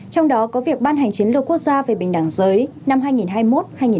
trong đó có việc ban hành chiến lược quốc gia về bình đẳng giới năm hai nghìn hai mươi một hai nghìn ba mươi